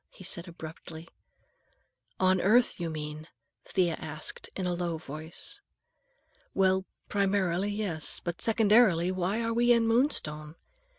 he said abruptly. "On earth, you mean?" Thea asked in a low voice. "Well, primarily, yes. But secondarily, why are we in Moonstone?